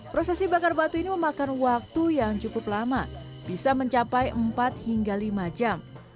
prosesi bakar batu ini memakan waktu yang cukup lama bisa mencapai empat hingga lima jam